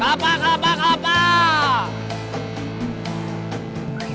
kapak kapak kapak